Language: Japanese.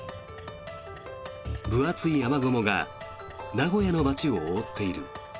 分厚い雨雲が名古屋の街を覆っている。